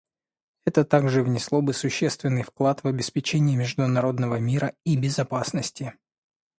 Это также внесло бы существенный вклад в обеспечение международного мира и безопасности.